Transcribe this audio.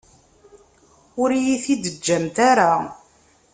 Ur iyi-t-id-teǧǧamt ara.